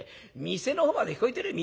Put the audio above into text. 店の方まで聞こえてるよ。